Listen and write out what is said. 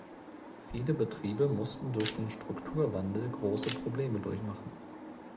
Viele Betriebe mussten durch den Strukturwandel große Probleme durchmachen.